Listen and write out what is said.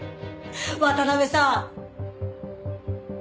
渡辺さん。